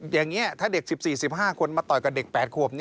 อย่างนี้ถ้าเด็ก๑๔๑๕คนมาต่อยกับเด็ก๘ขวบ